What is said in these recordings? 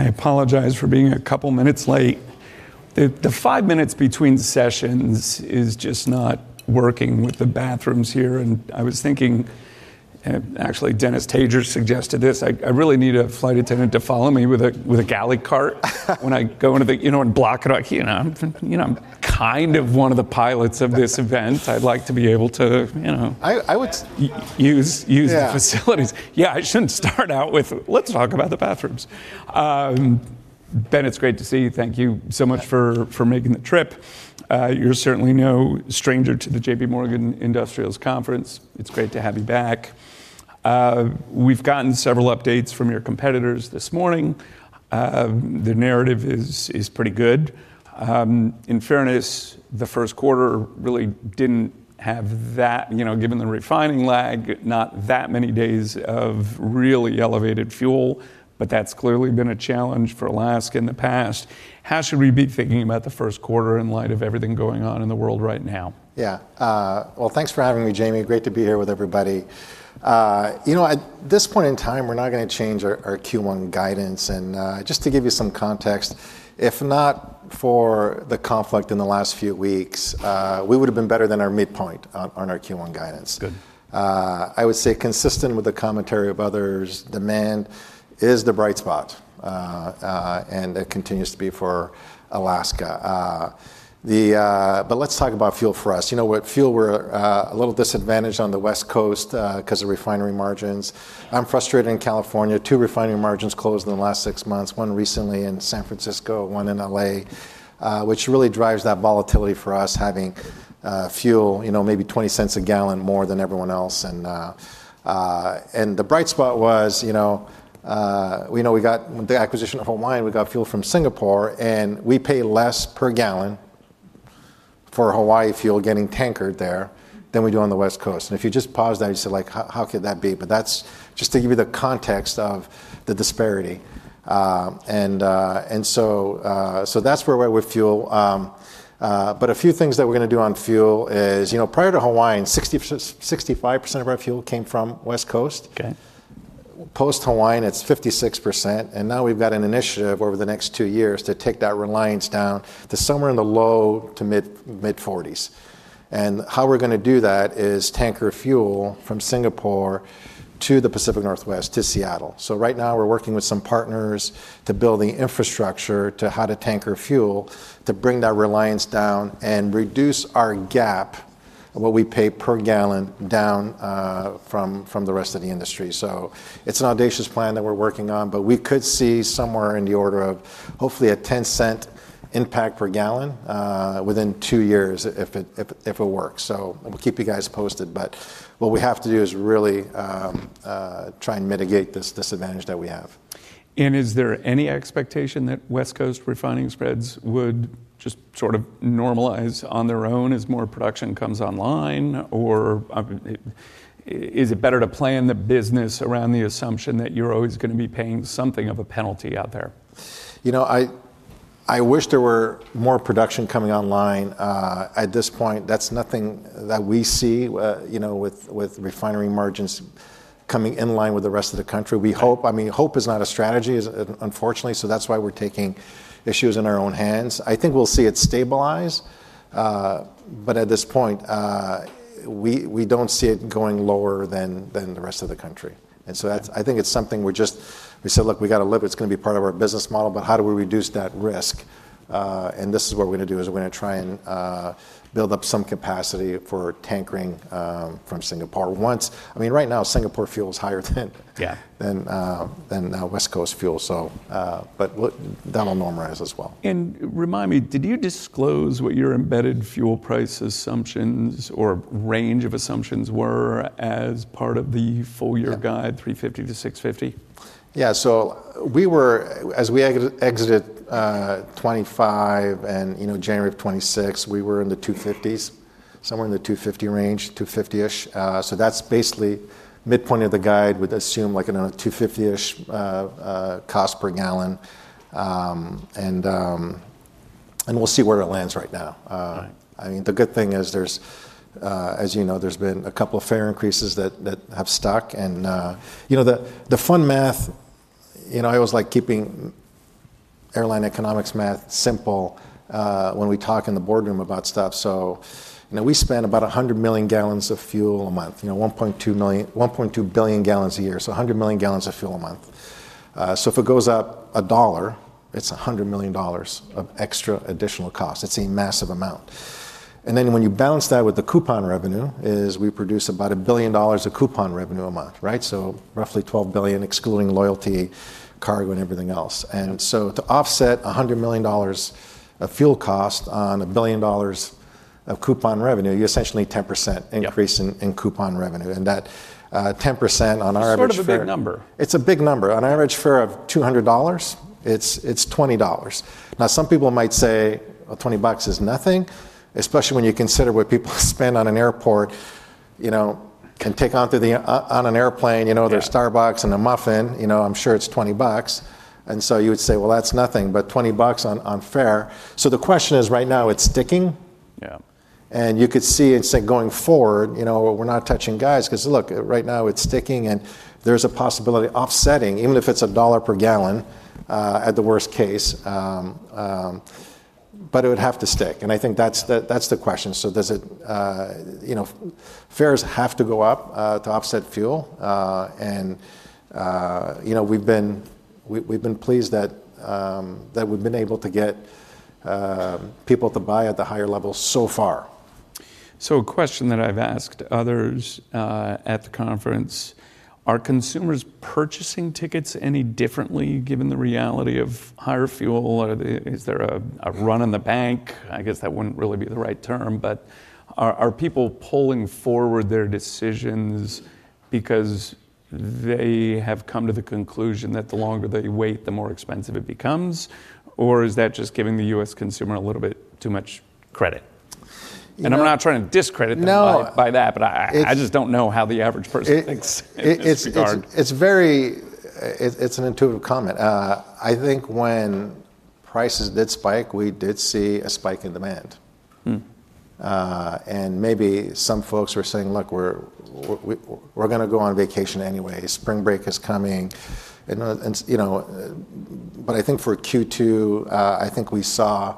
I apologize for being a couple minutes late. The five minutes between sessions is just not working with the bathrooms here, and I was thinking, and actually Dennis Tajer suggested this. I really need a flight attendant to follow me with a galley cart, you know, and block it. Like, you know, I'm kind of one of the pilots of this event. I'd like to be able to, you know. I would. use the Yeah facilities. Yeah, I shouldn't start out with, "Let's talk about the bathrooms." Ben, it's great to see you. Thank you so much for- Yeah... for making the trip. You're certainly no stranger to the J.P. Morgan Industrials Conference. It's great to have you back. We've gotten several updates from your competitors this morning. The narrative is pretty good. In fairness, the first quarter really didn't have that, you know, given the refining lag, not that many days of really elevated fuel. That's clearly been a challenge for Alaska in the past. How should we be thinking about the first quarter in light of everything going on in the world right now? Yeah. Well, thanks for having me, Jamie. Great to be here with everybody. You know, at this point in time, we're not gonna change our Q1 guidance. Just to give you some context, if not for the conflict in the last few weeks, we would've been better than our midpoint on our Q1 guidance. Good. I would say consistent with the commentary of others, demand is the bright spot. It continues to be for Alaska. Let's talk about fuel for us. You know what? Fuel we're a little disadvantaged on the West Coast, 'cause of refinery margins. I'm frustrated in California. Two refineries closed in the last 6 months, one recently in San Francisco, one in L.A., which really drives that volatility for us having fuel, you know, maybe $0.20 a gallon more than everyone else. The bright spot was, you know, we know we got, with the acquisition of Hawaiian, we got fuel from Singapore, and we pay less per gallon for Hawaii fuel getting tankered there than we do on the West Coast. If you just paused that, you'd say like, "How could that be?" That's just to give you the context of the disparity. That's where we're at with fuel. A few things that we're gonna do on fuel is, you know, prior to Hawaiian, 60%-65% of our fuel came from West Coast. Okay. Post-Hawaiian, it's 56%, and now we've got an initiative over the next two years to take that reliance down to somewhere in the low to mid-40s. How we're gonna do that is tanker fuel from Singapore to the Pacific Northwest to Seattle. Right now we're working with some partners to build the infrastructure to how to tanker fuel to bring that reliance down and reduce our gap of what we pay per gallon down from the rest of the industry. It's an audacious plan that we're working on, but we could see somewhere in the order of hopefully a $0.10 impact per gallon within two years if it works. We'll keep you guys posted, but what we have to do is really try and mitigate this disadvantage that we have. Is there any expectation that West Coast refining spreads would just sort of normalize on their own as more production comes online? Or, I mean, is it better to plan the business around the assumption that you're always gonna be paying something of a penalty out there? You know, I wish there were more production coming online. At this point, that's nothing that we see, you know, with refinery margins coming in line with the rest of the country. We hope. I mean, hope is not a strategy, unfortunately, so that's why we're taking matters into our own hands. I think we'll see it stabilize. At this point, we don't see it going lower than the rest of the country. That's- I think it's something we said, "Look, we gotta live. It's gonna be part of our business model, but how do we reduce that risk?" This is what we're gonna do, is we're gonna try and build up some capacity for tankering from Singapore. I mean, right now, Singapore fuel is higher than Yeah... than West Coast fuel. But that'll normalize as well. Remind me, did you disclose what your embedded fuel price assumptions or range of assumptions were as part of the full year guide? Yeah 350 to 650? Yeah. As we exited 2025 and, you know, January of 2026, we were in the $2.50s, somewhere in the $2.50 range, $2.50-ish. That's basically midpoint of the guide would assume like a $2.50-ish cost per gallon. We'll see where it lands right now. Right I mean, the good thing is there's, as you know, there's been a couple of fare increases that have stuck and. You know, the fun math, you know, I always like keeping airline economics math simple, when we talk in the boardroom about stuff. So, you know, we spend about 100 million gallons of fuel a month, you know, 1.2 billion gallons a year, so 100 million gallons of fuel a month. So if it goes up a dollar, it's $100 million of extra additional cost. It's a massive amount. Then when you balance that with the coupon revenue, we produce about $1 billion of coupon revenue a month, right? Roughly $12 billion excluding loyalty, cargo, and everything else. To offset $100 million of fuel cost on $1 billion of coupon revenue, you essentially 10% increase- Yeah in coupon revenue, and that 10% on our average fare. It's sort of a big number. It's a big number. On average fare of $200, it's $20. Now, some people might say, "Well, $20 is nothing," especially when you consider what people spend at an airport, you know, on an airplane, you know- Yeah... their Starbucks and a muffin, you know, I'm sure it's $20. You would say, "Well, that's nothing," but $20 on fare. The question is, right now it's sticking- Yeah You could see and say going forward, you know, we're not touching guys because look, right now it's sticking and there's a possibility offsetting, even if it's $1 per gallon at the worst case, but it would have to stick. I think that's the question. Does it, you know, fares have to go up to offset fuel? You know, we've been pleased that we've been able to get people to buy at the higher level so far. A question that I've asked others at the conference, are consumers purchasing tickets any differently given the reality of higher fuel? Is there a run on the bank? I guess that wouldn't really be the right term, but are people pulling forward their decisions because they have come to the conclusion that the longer they wait, the more expensive it becomes? Or is that just giving the U.S. consumer a little bit too much credit? I'm not trying to discredit them by that, but I just don't know how the average person thinks in this regard. It's an intuitive comment. I think when prices did spike, we did see a spike in demand. Maybe some folks were saying, look, we're going to go on vacation anyway. Spring break is coming. You know, but I think for Q2, I think we saw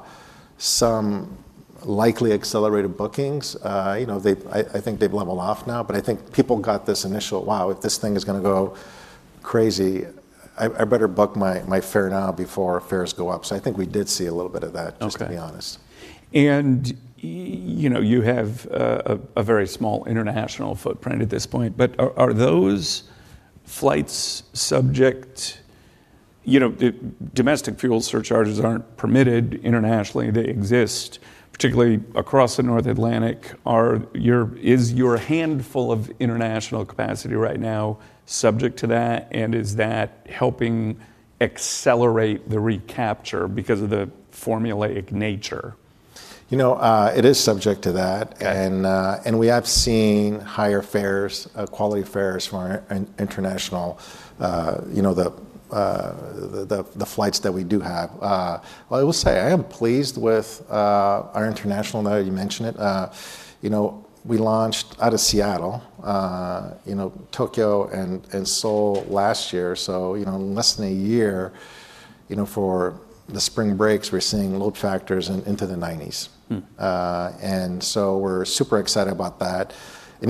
some likely accelerated bookings. You know, I think they've leveled off now, but I think people got this initial, wow, if this thing is going to go crazy, I better book my fare now before fares go up. I think we did see a little bit of that, just to be honest. Okay. You know, you have a very small international footprint at this point, but are those flights subject, you know, domestic fuel surcharges aren't permitted internationally. They exist, particularly across the North Atlantic. Is your handful of international capacity right now subject to that? Is that helping accelerate the recapture because of the formulaic nature? You know, it is subject to that. We have seen higher fares, quality fares from our international, you know, the flights that we do have. I will say I am pleased with our international now that you mention it. You know, we launched out of Seattle, you know, Tokyo and Seoul last year. You know, in less than a year, you know, for the spring breaks, we're seeing load factors into the 90s%. We're super excited about that.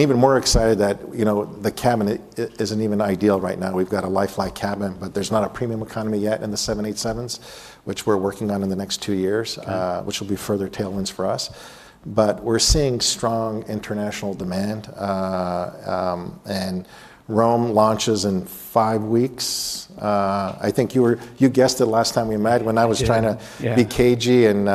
Even more excited that, you know, the cabin isn't even ideal right now. We've got a lie-flat cabin, but there's not a premium economy yet in the 787s, which we're working on in the next two years, which will be further tailwinds for us. But we're seeing strong international demand. Rome launches in five weeks. I think you guessed it last time we met when I was trying to be cagey and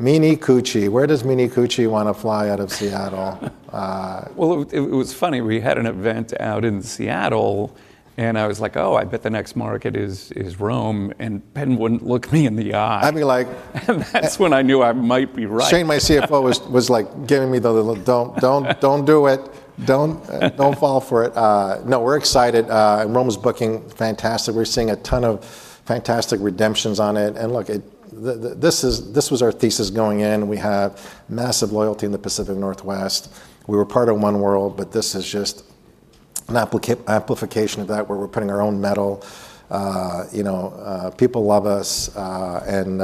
Minicucci. Where does Minicucci want to fly out of Seattle? Well, it was funny. We had an event out in Seattle and I was like, oh, I bet the next market is Rome. Ben wouldn't look me in the eye. I'd be like. That's when I knew I might be right. Shane, my CFO, was like giving me the little, don't do it. Don't fall for it. No, we're excited. Rome's booking fantastic. We're seeing a ton of fantastic redemptions on it. Look, this was our thesis going in. We have massive loyalty in the Pacific Northwest. We were part of oneworld, but this is just an amplification of that where we're putting our own metal. You know, people love us and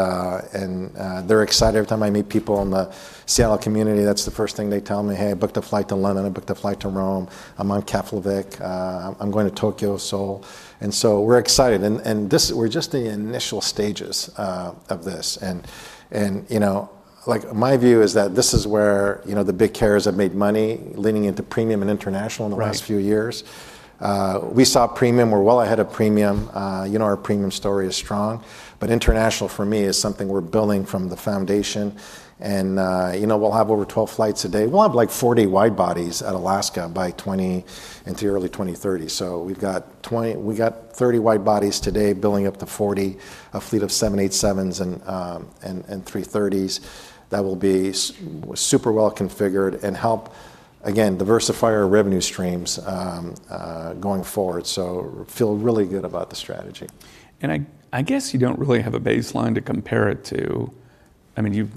they're excited. Every time I meet people in the Seattle community, that's the first thing they tell me. Hey, I booked a flight to London. I booked a flight to Rome. I'm on Keflavík. I'm going to Tokyo, Seoul. We're excited. We're just in the initial stages of this. You know, like my view is that this is where, you know, the big carriers have made money leaning into premium and international in the last few years. We saw premium. We're well ahead of premium. You know, our premium story is strong. International for me is something we're building from the foundation. You know, we'll have over 12 flights a day. We'll have like 40 wide bodies at Alaska by 2027 into early 2030. We've got 30 wide bodies today building up to 40, a fleet of 787s and 330s that will be super well configured and help, again, diversify our revenue streams going forward. Feel really good about the strategy. I guess you don't really have a baseline to compare it to. I mean, you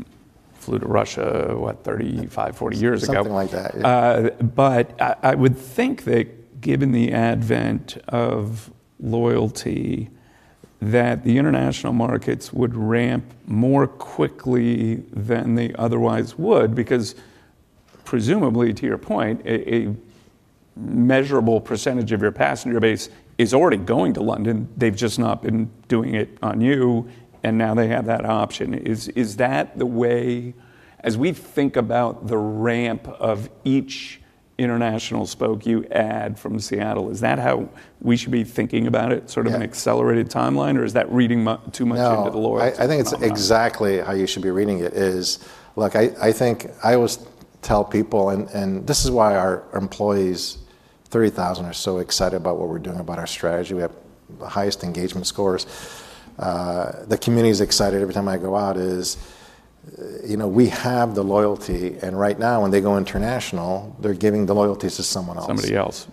flew to Russia, what, 35-40 years ago. Something like that. I would think that given the advent of loyalty, that the international markets would ramp more quickly than they otherwise would. Because presumably, to your point, a measurable percentage of your passenger base is already going to London. They've just not been doing it on you. Now they have that option. Is that the way, as we think about the ramp of each international spoke you add from Seattle, is that how we should be thinking about it, sort of an accelerated timeline? Is that reading too much into the loyalty component? No, I think it's exactly how you should be reading it is. Look, I think I always tell people, and this is why our employees, 30,000, are so excited about what we're doing about our strategy. We have the highest engagement scores. The community is excited every time I go out. You know, we have the loyalty, and right now when they go international, they're giving the loyalties to someone else. Somebody else.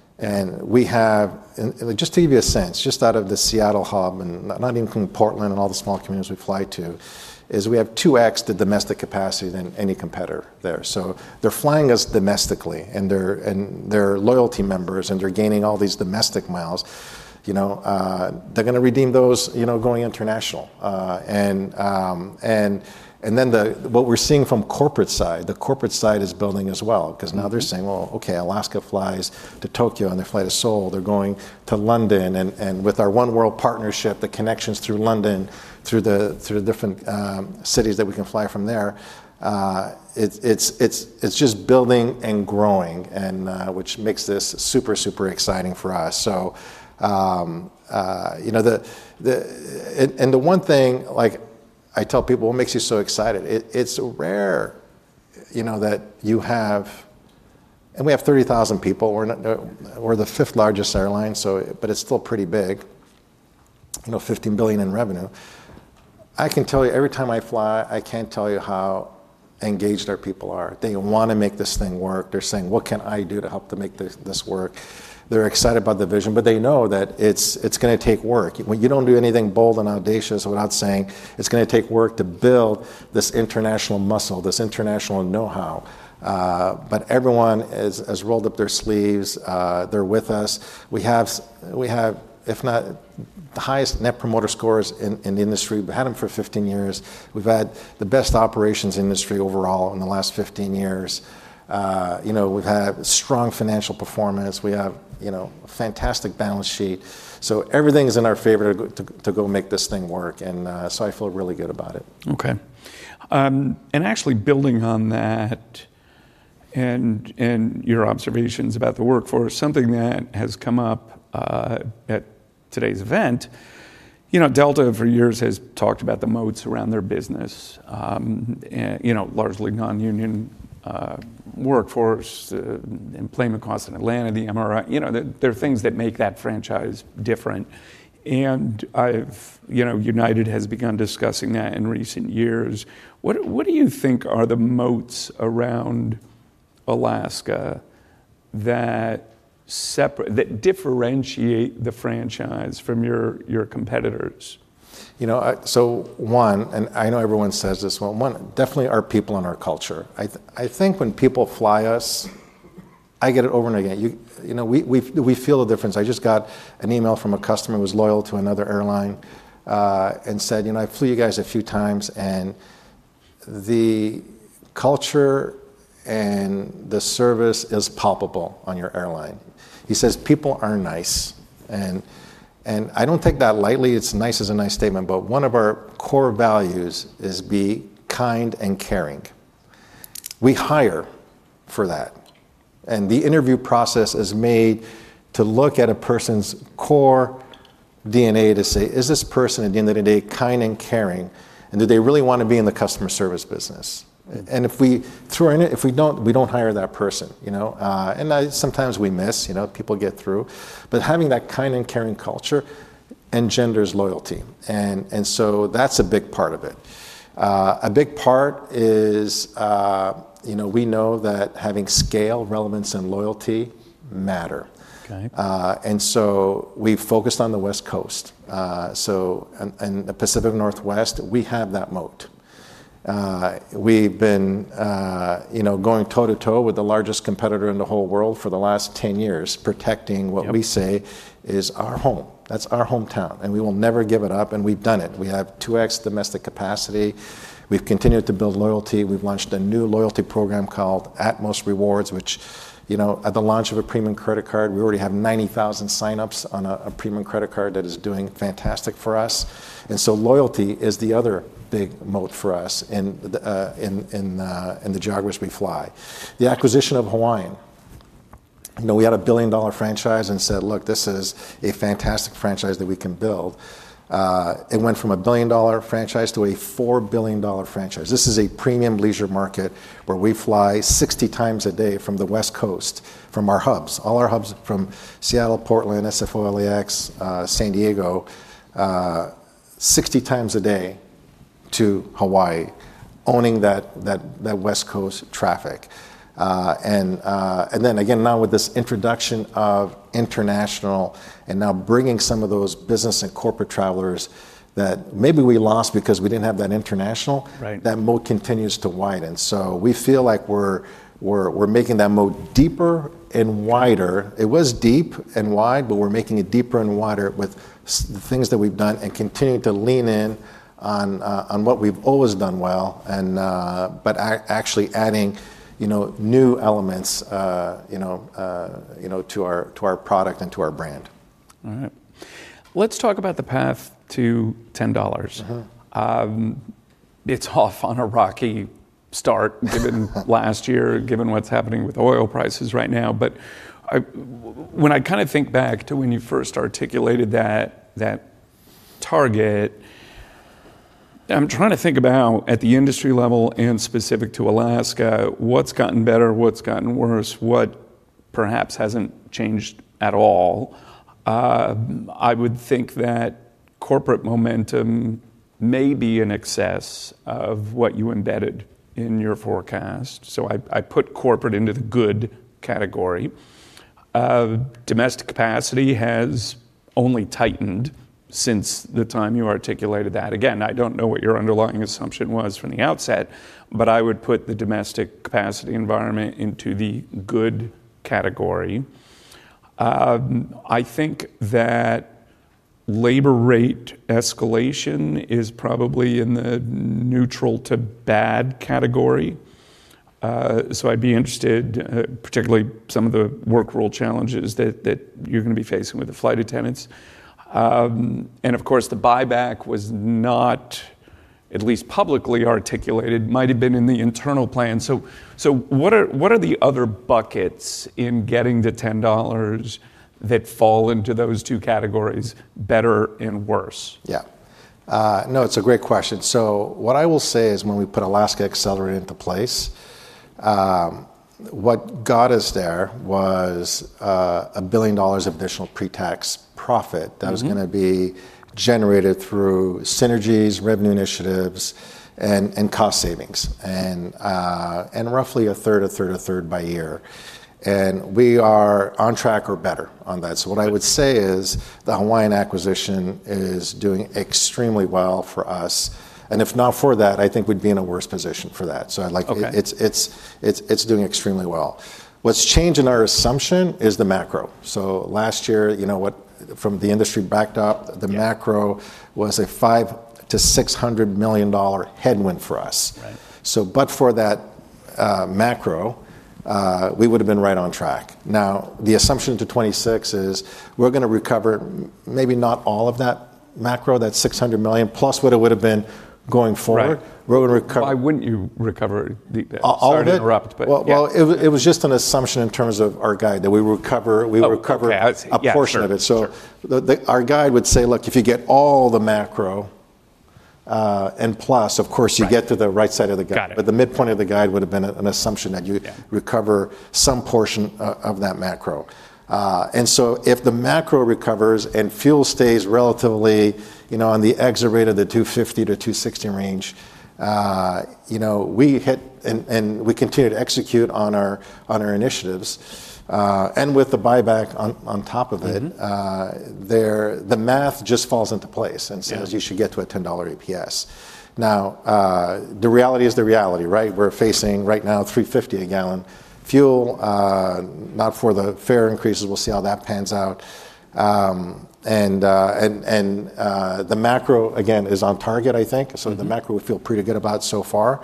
Just to give you a sense, just out of the Seattle hub, and not even from Portland and all the small communities we fly to, is we have 2x the domestic capacity than any competitor there. They're flying us domestically, and they're loyalty members, and they're gaining all these domestic miles. You know, they're gonna redeem those, you know, going international. What we're seeing from corporate side, the corporate side is building as well. Mm-hmm. Because now they're saying, "Well, okay, Alaska flies to Tokyo, and they fly to Seoul. They're going to London." With our Oneworld partnership, the connections through London, through different cities that we can fly from there, it's just building and growing, which makes this super exciting for us. You know, the one thing, like, I tell people, "What makes you so excited?" It's rare, you know, that you have. We have 30,000 people. We're not, we're the fifth largest airline, but it's still pretty big. You know, $15 billion in revenue. I can tell you, every time I fly, I can't tell you how engaged our people are. They wanna make this thing work. They're saying, "What can I do to help to make this work?" They're excited about the vision, but they know that it's gonna take work. When you don't do anything bold and audacious without saying, "It's gonna take work to build this international muscle, this international know-how." But everyone has rolled up their sleeves. They're with us. We have, if not the highest Net Promoter Scores in the industry. We've had them for 15 years. We've had the best operations in the industry overall in the last 15 years. You know, we've had strong financial performance. We have, you know, a fantastic balance sheet. Everything's in our favor to go make this thing work, and so I feel really good about it. Okay. Actually building on that, and your observations about the workforce, something that has come up at today's event, you know, Delta for years has talked about the moats around their business, and, you know, largely non-union workforce, employment costs in Atlanta, the MRO. You know, there are things that make that franchise different. United has begun discussing that in recent years. What do you think are the moats around Alaska that separate, that differentiate the franchise from your competitors? You know, one, and I know everyone says this one definitely our people and our culture. I think when people fly us, I get it over and again. You know, we feel the difference. I just got an email from a customer who was loyal to another airline and said, "You know, I flew you guys a few times, and the culture and the service is palpable on your airline." He says, "People are nice." I don't take that lightly. It's nice is a nice statement, but one of our core values is be kind and caring. We hire for that, and the interview process is made to look at a person's core DNA to say, "Is this person, at the end of the day, kind and caring, and do they really wanna be in the customer service business?" If we don't, we don't hire that person, you know? Sometimes we miss, you know. People get through. Having that kind and caring culture engenders loyalty, and so that's a big part of it. A big part is, you know, we know that having scale, relevance, and loyalty matter. Okay. We've focused on the West Coast. The Pacific Northwest, we have that moat. We've been, you know, going toe-to-toe with the largest competitor in the whole world for the last 10 years, protecting what we say. Yep is our home. That's our hometown, and we will never give it up, and we've done it. We have 2x domestic capacity. We've continued to build loyalty. We've launched a new loyalty program called Atmos Rewards, which, you know, at the launch of a premium credit card, we already have 90,000 signups on a premium credit card that is doing fantastic for us. Loyalty is the other big moat for us in the geography we fly. The acquisition of Hawaiian. You know, we had a $1 billion franchise and said, "Look, this is a fantastic franchise that we can build." It went from a $1 billion franchise to a $4 billion franchise. This is a premium leisure market where we fly 60 times a day from the West Coast, from our hubs. All our hubs from Seattle, Portland, SFO, LAX, San Diego, 60 times a day to Hawaii, owning that West Coast traffic. Again now with this introduction of international and now bringing some of those business and corporate travelers that maybe we lost because we didn't have that international. Right... that moat continues to widen. We feel like we're making that moat deeper and wider. It was deep and wide, but we're making it deeper and wider with the things that we've done and continuing to lean in on what we've always done well, and but actually adding, you know, new elements, you know, to our product and to our brand. All right. Let's talk about the path to $10. Uh-huh. It's off on a rocky start given last year, given what's happening with oil prices right now. When I kind of think back to when you first articulated that target, I'm trying to think about at the industry level and specific to Alaska, what's gotten better, what's gotten worse, what perhaps hasn't changed at all. I would think that corporate momentum may be in excess of what you embedded in your forecast. I put corporate into the good category. Domestic capacity has only tightened since the time you articulated that. Again, I don't know what your underlying assumption was from the outset, I would put the domestic capacity environment into the good category. I think that labor rate escalation is probably in the neutral to bad category. I'd be interested, particularly some of the work rule challenges that you're gonna be facing with the flight attendants. Of course, the buyback was not at least publicly articulated, might have been in the internal plan. What are the other buckets in getting to $10 that fall into those two categories, better and worse? It's a great question. What I will say is when we put Alaska Accelerate into place, what got us there was $1 billion of additional pre-tax profit. Mm-hmm that was gonna be generated through synergies, revenue initiatives, and cost savings. Roughly a third by year. We are on track or better on that. What I would say is the Hawaiian acquisition is doing extremely well for us, and if not for that, I think we'd be in a worse position for that. Okay It's doing extremely well. What's changed in our assumption is the macro. Last year, you know what, from the industry backed up. Yeah The macro was a $500 million-$600 million headwind for us. Right. For that macro, we would've been right on track. Now, the assumption to 2026 is we're gonna recover maybe not all of that macro, that $600 million+ what it would've been going forward. Right. We'll recover. Sorry to interrupt but. All of it? Yeah. Well, it was just an assumption in terms of our guide that we would recover. Oh, okay. I see. Yeah, sure. A portion of it. Sure. Sure. Our guide would say, "Look, if you get all the macro, and plus, of course. Right you get to the right side of the guide. Got it. The midpoint of the guide would have been an assumption that you Yeah ...recover some portion of that macro. If the macro recovers and fuel stays relatively, you know, on the exit rate of the $2.50-$2.60 range, you know, we hit. We continue to execute on our initiatives and with the buyback on top of it. Mm-hmm there, the math just falls into place. Yeah says you should get to a $10 EPS. Now, the reality is the reality, right? We're facing right now $3.50 a gallon fuel, not before the fare increases. We'll see how that pans out. The macro, again, is on target, I think. Mm-hmm. The macro we feel pretty good about so far.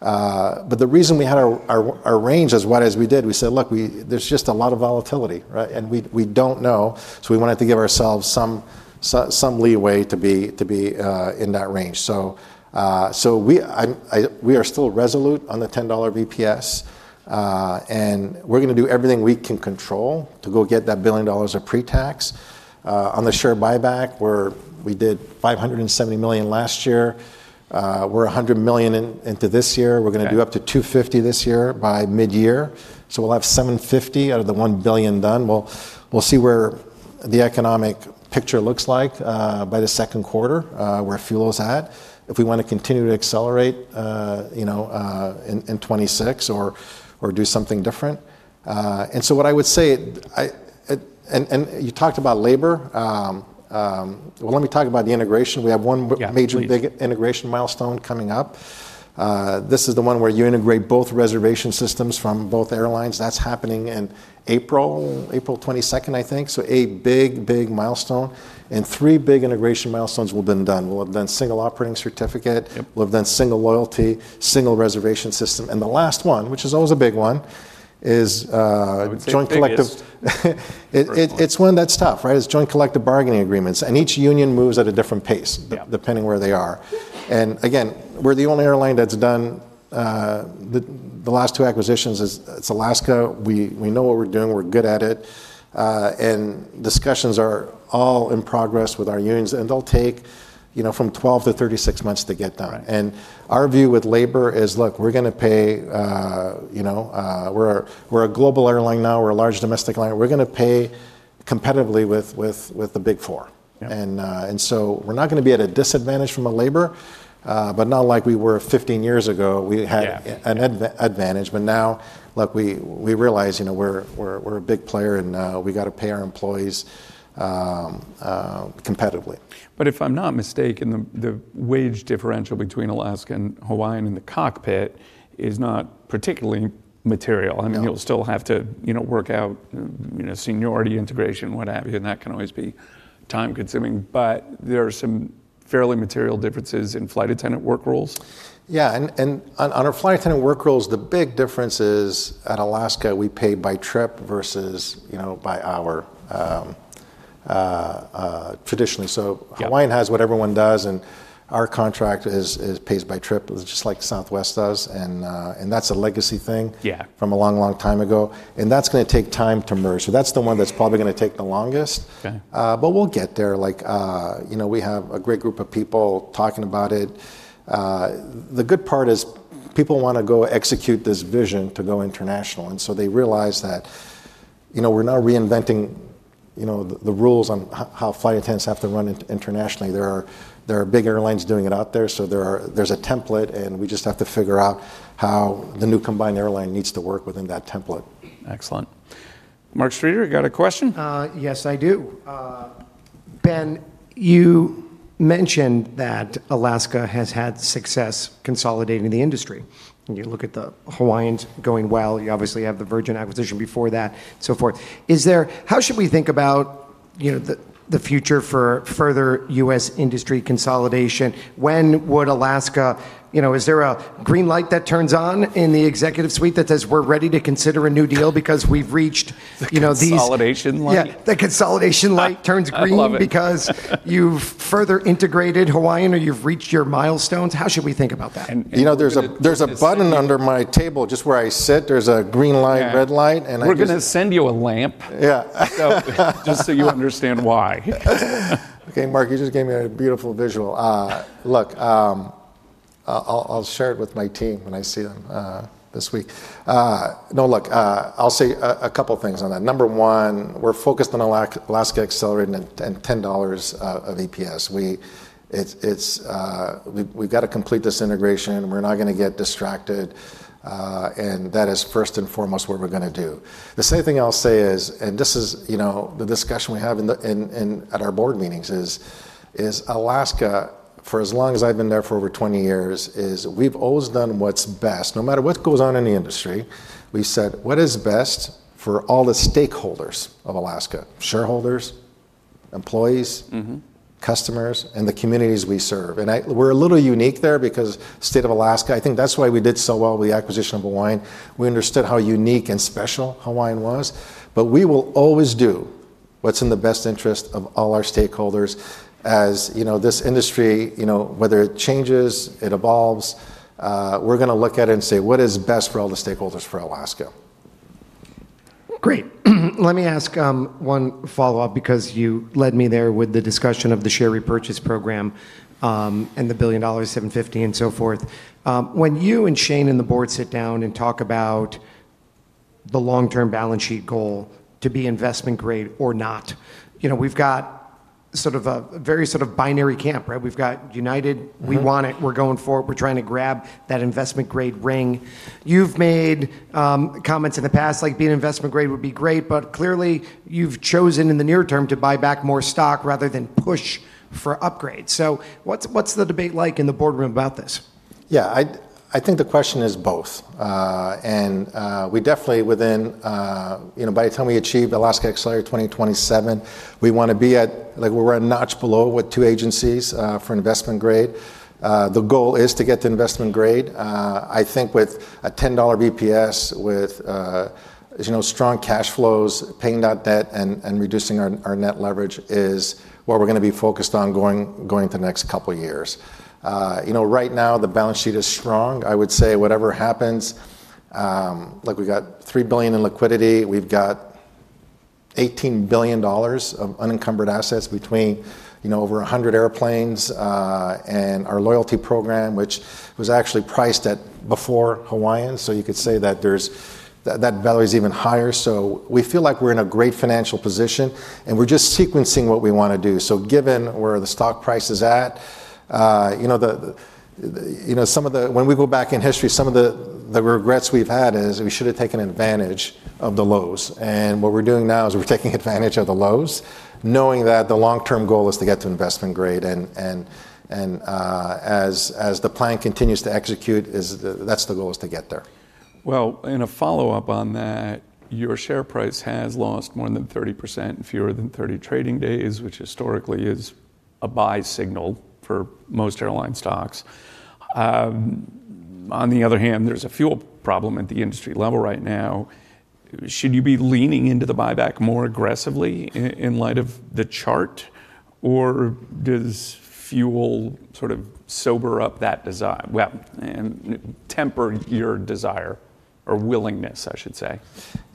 The reason we had our range as wide as we did, we said, "Look, there's just a lot of volatility, right? And we don't know, so we wanted to give ourselves some leeway to be in that range." We are still resolute on the $10 EPS, and we're gonna do everything we can control to go get that $1 billion of pre-tax. On the share buyback, we did $570 million last year. We're $100 million into this year. Okay. We're gonna do up to $250 million this year by midyear, so we'll have $750 million out of the $1 billion done. We'll see where the economic picture looks like by the second quarter where fuel's at, if we wanna continue to accelerate you know in 2026 or do something different. What I would say and you talked about labor. Well, let me talk about the integration. We have one. Yeah, please. major big integration milestone coming up. This is the one where you integrate both reservation systems from both airlines. That's happening in April. April 22nd, I think. A big, big milestone, and three big integration milestones will have been done. We'll have done single operating certificate- Yep We'll have done single loyalty, single reservation system, and the last one, which is always a big one, is. I would say the biggest. It's one that's tough, right? It's joint collective bargaining agreement, and each union moves at a different pace. Yeah depending where they are. Again, we're the only airline that's done the last two acquisitions, it's Alaska. We know what we're doing. We're good at it. Discussions are all in progress with our unions, and they'll take, you know, from 12-36 months to get done. Right. Our view with labor is, look, we're gonna pay, you know, we're a global airline now. We're a large domestic airline. We're gonna pay competitively with the Big Four. Yeah. We're not gonna be at a disadvantage from a labor, but not like we were 15 years ago. We had- Yeah ...an advantage. Now, look, we realize, you know, we're a big player and we gotta pay our employees competitively. If I'm not mistaken, the wage differential between Alaska and Hawaiian in the cockpit is not particularly material. No. I mean, you'll still have to, you know, work out, you know, seniority, integration, what have you, and that can always be time-consuming. There are some fairly material differences in flight attendant work rules. Yeah. On our flight attendant work rules, the big difference is at Alaska, we pay by trip versus, you know, by hour, traditionally. So- Yeah Hawaiian has what everyone does and our contract is pays by trip. It's just like Southwest does, and that's a legacy thing. Yeah from a long, long time ago, and that's gonna take time to merge. That's the one that's probably gonna take the longest. Okay. We'll get there. Like, you know, we have a great group of people talking about it. The good part is people wanna go execute this vision to go international, and they realize that. You know, we're not reinventing, you know, the rules on how flight attendants have to run it internationally. There are big airlines doing it out there, so there's a template, and we just have to figure out how the new combined airline needs to work within that template. Excellent. Mark Streeter, you got a question? Yes, I do. Ben, you mentioned that Alaska has had success consolidating the industry. When you look at the Hawaiian going well, you obviously have the Virgin acquisition before that, so forth. How should we think about, you know, the future for further U.S. industry consolidation? You know, is there a green light that turns on in the executive suite that says, "We're ready to consider a new deal because we've reached, you know, these? The consolidation light? Yeah. The consolidation light turns green. I love it. because you've further integrated Hawaiian or you've reached your milestones. How should we think about that? There's a. You know, there's a button under my table. Just where I sit, there's a green light. Yeah red light, and I just. We're gonna send you a lamp. Yeah. Just so you understand why. Okay, Mark, you just gave me a beautiful visual. I'll share it with my team when I see them this week. No, look, I'll say a couple things on that. Number one, we're focused on Alaska Accelerate and $10 of EPS. It's we've gotta complete this integration. We're not gonna get distracted, and that is first and foremost what we're gonna do. The second thing I'll say is, and this is you know the discussion we have at our board meetings is Alaska, for as long as I've been there, for over 20 years, is we've always done what's best. No matter what goes on in the industry, we said, "What is best for all the stakeholders of Alaska, shareholders, employees. Mm-hmm customers, and the communities we serve?" We're a little unique there because State of Alaska, I think that's why we did so well with the acquisition of Hawaiian. We understood how unique and special Hawaiian was, but we will always do what's in the best interest of all our stakeholders. As you know, this industry, you know, whether it changes, it evolves, we're gonna look at it and say, "What is best for all the stakeholders for Alaska? Great. Let me ask one follow-up, because you led me there with the discussion of the share repurchase program, and the $1 billion, $750 million and so forth. When you and Shane and the board sit down and talk about the long-term balance sheet goal to be investment grade or not, you know, we've got sort of a very binary camp, right? We've got United. Mm-hmm. We want it. We're going for it. We're trying to grab that investment grade ring. You've made, comments in the past like, "Being investment grade would be great," but clearly, you've chosen in the near term to buy back more stock rather than push for upgrade. What's the debate like in the boardroom about this? Yeah, I think the question is both. We definitely within, you know, by the time we achieve Alaska Accelerate 2027, we wanna be at, like, we're a notch below with two agencies for investment grade. The goal is to get to investment grade. I think with a $10 EPS, with, you know, strong cash flows, paying down debt and reducing our net leverage is what we're gonna be focused on going to the next couple years. You know, right now the balance sheet is strong. I would say whatever happens, like we got $3 billion in liquidity. We've got $18 billion of unencumbered assets between, you know, over 100 airplanes and our loyalty program, which was actually priced at before Hawaiian. You could say that value is even higher. We feel like we're in a great financial position, and we're just sequencing what we wanna do. Given where the stock price is at, some of the regrets we've had is we should have taken advantage of the lows. What we're doing now is we're taking advantage of the lows, knowing that the long-term goal is to get to investment grade. As the plan continues to execute, that's the goal to get there. Well, in a follow-up on that, your share price has lost more than 30% in fewer than 30 trading days, which historically is a buy signal for most airline stocks. On the other hand, there's a fuel problem at the industry level right now. Should you be leaning into the buyback more aggressively in light of the chart, or does fuel sort of sober up that desire, well, and temper your desire or willingness, I should say?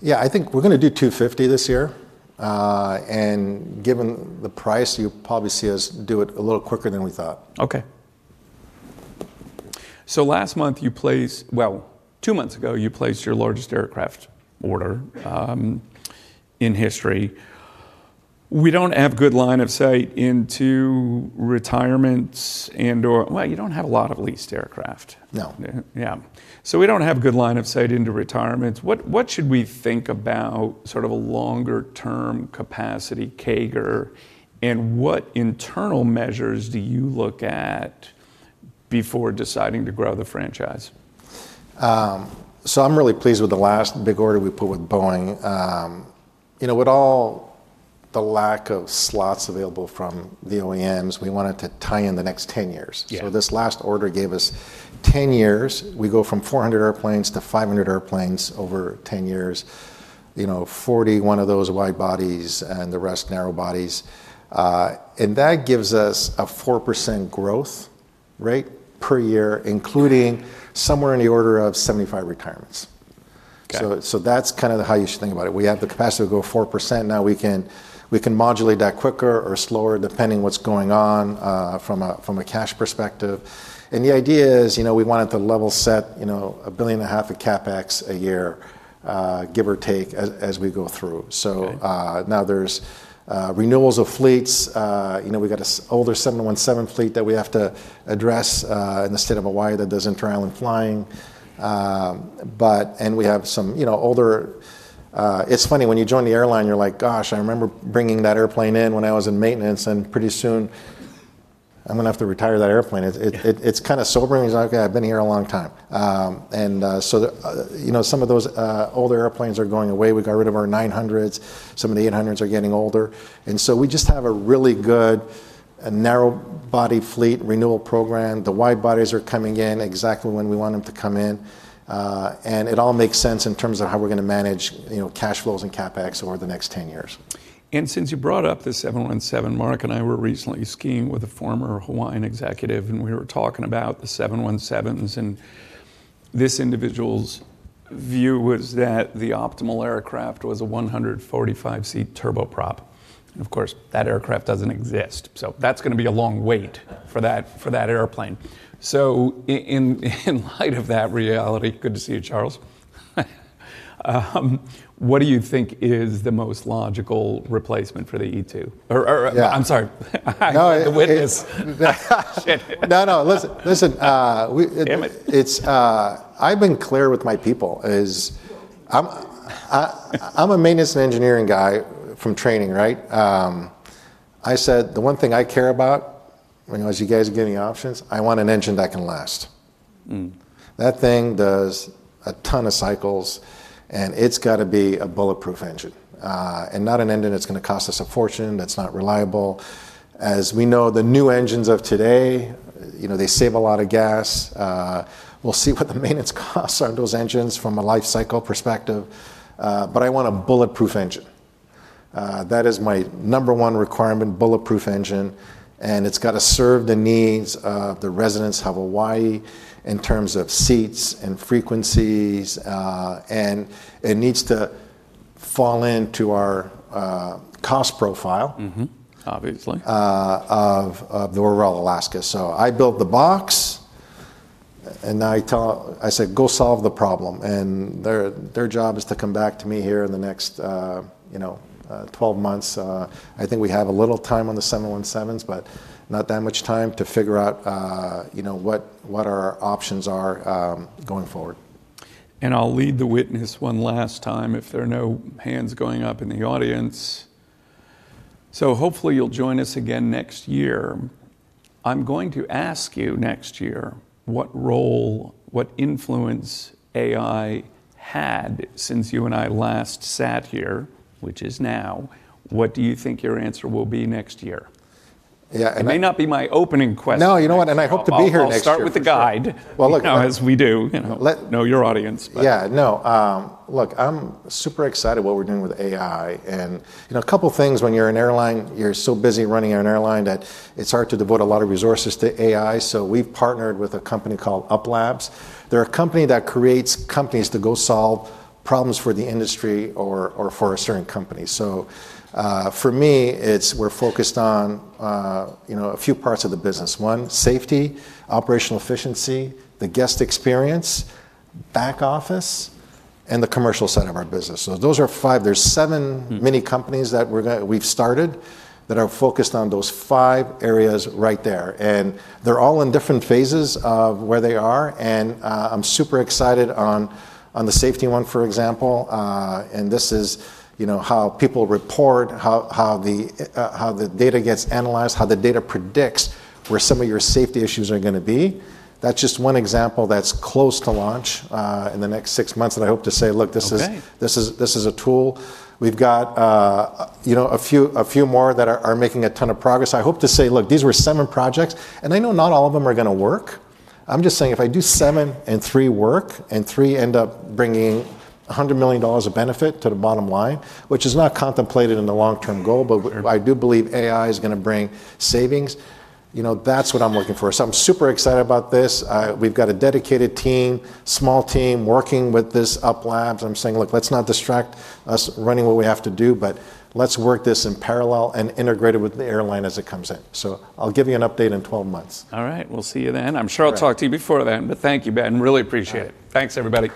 Yeah, I think we're gonna do $250 this year. Given the price, you'll probably see us do it a little quicker than we thought. Two months ago, you placed your largest aircraft order in history. We don't have good line of sight into retirements and/or. You don't have a lot of leased aircraft. No. Yeah. We don't have good line of sight into retirements. What should we think about sort of a longer-term capacity CAGR, and what internal measures do you look at before deciding to grow the franchise? I'm really pleased with the last big order we put with Boeing. You know, with all the lack of slots available from the OEMs, we wanted to tie in the next 10 years. Yeah. This last order gave us 10 years. We go from 400 airplanes to 500 airplanes over 10 years. You know, 41 of those wide-bodies and the rest narrow-bodies. That gives us a 4% growth rate per year, including somewhere in the order of 75 retirements. That's kind of how you should think about it. We have the capacity to go 4% now. We can modulate that quicker or slower depending what's going on from a cash perspective. The idea is, you know, we wanted to level set, you know, $1.5 billion of CapEx a year, give or take as we go through. Okay. Now there's renewals of fleets. You know, we've got an older 717 fleet that we have to address in the state of Hawaii that does inter-island flying. We have some older. It's funny, when you join the airline, you're like, gosh, I remember bringing that airplane in when I was in maintenance, and pretty soon I'm gonna have to retire that airplane. It's kind of sobering. It's like, I've been here a long time. You know, some of those older airplanes are going away. We got rid of our 900s. Some of the 800s are getting older. We just have a really good narrow body fleet renewal program. The wide bodies are coming in exactly when we want them to come in. It all makes sense in terms of how we're gonna manage, you know, cash flows and CapEx over the next 10 years. Since you brought up the 717, Mark and I were recently skiing with a former Hawaiian executive, and we were talking about the 717s, and this individual's view was that the optimal aircraft was a 145-seat turboprop. Of course, that aircraft doesn't exist. That's gonna be a long wait for that airplane. In light of that reality. Good to see you, Charles. What do you think is the most logical replacement for the E2? Or Yeah I'm sorry. No The witness. No, no. Listen, listen. Damn it. It's I've been clear with my people, is I'm a maintenance and engineering guy from training, right? I said, "The one thing I care about, you know, as you guys are giving options, I want an engine that can last. Mm. That thing does a ton of cycles, and it's gotta be a bulletproof engine, and not an engine that's gonna cost us a fortune, that's not reliable. As we know, the new engines of today, you know, they save a lot of gas. We'll see what the maintenance costs are on those engines from a life cycle perspective. I want a bulletproof engine. That is my number one requirement, bulletproof engine, and it's gotta serve the needs of the residents of Hawaii in terms of seats and frequencies. It needs to fall into our cost profile. Mm-hmm. Obviously of the overall Alaska. I built the box, and I said, "Go solve the problem." Their job is to come back to me here in the next, you know, 12 months. I think we have a little time on the 717s, but not that much time to figure out, you know, what our options are, going forward. I'll lead the witness one last time if there are no hands going up in the audience. Hopefully you'll join us again next year. I'm going to ask you next year what role, what influence AI had since you and I last sat here, which is now. What do you think your answer will be next year? Yeah. It may not be my opening question next year. No, you know what, and I hope to be here next year. I'll start with a guide. Well, look. You know, as we do. You know. Let- Know your audience. Yeah, no. Look, I'm super excited what we're doing with AI. You know, a couple things when you're an airline, you're so busy running an airline that it's hard to devote a lot of resources to AI, so we've partnered with a company called UP.Labs. They're a company that creates companies to go solve problems for the industry or for a certain company. For me, it's we're focused on, you know, a few parts of the business. One, safety, operational efficiency, the guest experience, back office, and the commercial side of our business. Those are five. There's seven- Mm mini companies that we've started that are focused on those five areas right there. They're all in different phases of where they are, and I'm super excited on the safety one, for example. This is, you know, how people report, how the data gets analyzed, how the data predicts where some of your safety issues are gonna be. That's just one example that's close to launch in the next six months that I hope to say, "Look, this is. Okay This is a tool." We've got a few more that are making a ton of progress. I hope to say, "Look, these were seven projects," and I know not all of them are gonna work. I'm just saying if I do seven and three work and three end up bringing $100 million of benefit to the bottom line, which is not contemplated in the long-term goal. Right I do believe AI is gonna bring savings, you know, that's what I'm looking for. I'm super excited about this. We've got a dedicated team, small team working with this UP.Labs. I'm saying, "Look, let's not distract us running what we have to do, but let's work this in parallel and integrate it with the airline as it comes in." I'll give you an update in 12 months. All right. We'll see you then. All right. I'm sure I'll talk to you before then, but thank you, Ben. Really appreciate it. All right. Thanks, everybody.